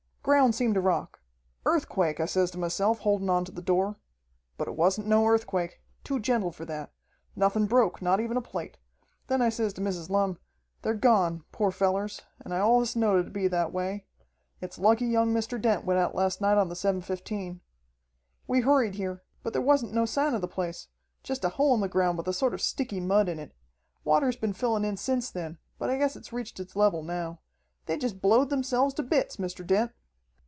"Ground seemed to rock. Earthquake, I says to myself, holdin' on to the door. But it wasn't no earthquake. Too gentle for that. Nothin' broke, not even a plate. Then I says to Mrs. Lumm, 'They're gone, poor fellers, and I allus knowed it would be that way. It's lucky young Mr. Dent went out last night on the 7.15.' "We hurried here, but there wasn't no sign of the place, jest a hole on the ground with a sort of sticky mud in it. Water's been fillin' in since then, but I guess it's reached its level now. They jest blowed themselves to bits, Mr. Dent."